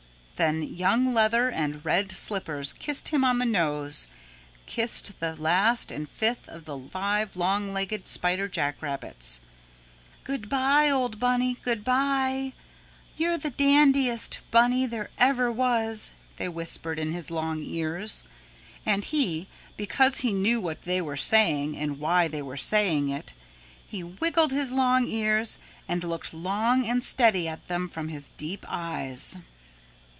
Then Young Leather and Red Slippers kissed him on the nose, kissed the last and fifth of the five long legged spider jack rabbits. "Good by, old bunny, good by, you're the dandiest bunny there ever was," they whispered in his long ears. And he, because he knew what they were saying and why they were saying it, he wiggled his long ears and looked long and steady at them from his deep eyes.